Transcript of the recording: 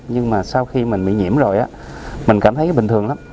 nhưng mà sau khi mình bị nhiễm rồi á mình cảm thấy bình thường lắm